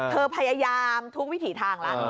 เธอพยายามทุกวิถีทางละ